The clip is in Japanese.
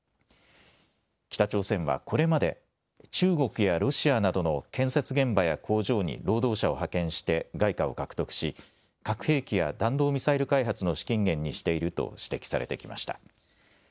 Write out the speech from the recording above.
北朝鮮はこれまで中国やロシアなどの建設現場や工場に労働者を派遣して外貨を獲得し核兵器や弾道ミサイル開発の資金源にしていると指摘されてきました。